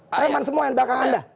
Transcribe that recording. preman semua yang di belakang anda